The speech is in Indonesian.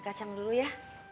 kacang dulu ya